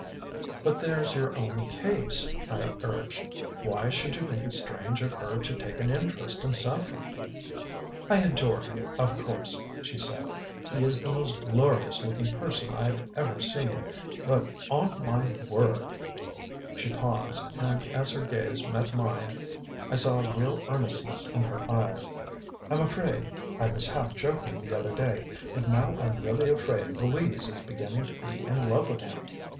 "But there's your own case," I urged. "Why should you think it strange of her to take an interest in Saffren?" "I adore him, of course," she said. "He is the most glorious looking person I've ever seen, but on my WORD " She paused, and as her gaze met mine I saw real earnestness in her eyes. "I'm afraid I was half joking the other day but now I'm really afraid Louise is beginning to be in love with him."